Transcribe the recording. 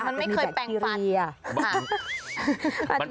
มันไม่เคยแปลงฟัน